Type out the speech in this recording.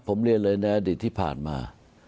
ผมเรียนเลยในอดีตที่ผ่านมา